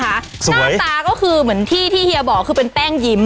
หน้าตาก็คือเหมือนที่ที่เฮียบอกคือเป็นแป้งยิ้ม